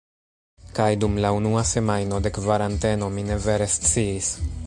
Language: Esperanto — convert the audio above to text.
Kaj dum la unua semajno de kvaranteno mi ne vere sciis